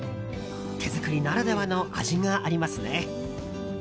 手作りならではの味がありますね。